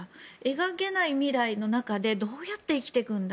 描けない未来の中でどうやって生きていくんだ。